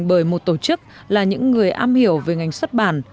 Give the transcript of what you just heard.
bởi một tổ chức là những người am hiểu về ngành xuất bản